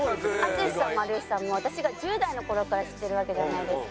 淳さんも有吉さんも私が１０代の頃から知ってるわけじゃないですか。